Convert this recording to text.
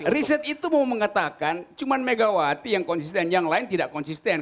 riset itu mau mengatakan cuma megawati yang konsisten yang lain tidak konsisten